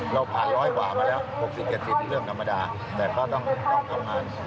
เราผ่านร้อยกว่ามาแล้ว๖๐๗๐นี่เรื่องธรรมดาแต่ก็ต้องทำงาน